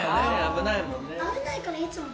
危ないから、いつもは。